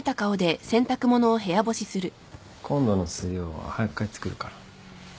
今度の水曜早く帰ってくるから。